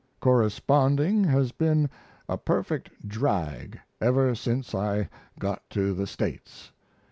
Corresponding has been a perfect drag ever since I got to the States.